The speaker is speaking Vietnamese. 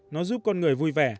nó giúp con người vui vẻ